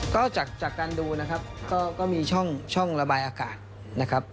ก็จากการดูนะครับก็มีช่องระบายอากาศนะครับ